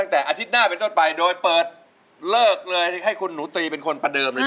อาทิตย์หน้าเป็นต้นไปโดยเปิดเลิกเลยให้คุณหนูตีเป็นคนประเดิมเลย